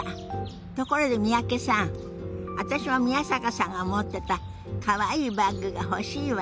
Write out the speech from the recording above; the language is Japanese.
ところで三宅さん私も宮坂さんが持ってたかわいいバッグが欲しいわ。